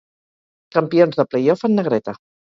Campions de playoff en negreta.